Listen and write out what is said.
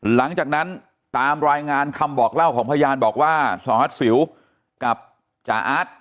หลังจากนั้นตามรายงานคำบอกเล่าของพยานบอกว่าสหรัฐสิวกับจ่าอาร์ต